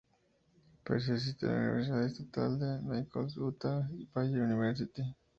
Price asistió a la Universidad Estatal de Nicholls y Utah Valley University.